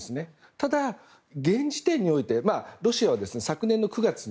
ただ、現時点においてロシアは昨年の９月に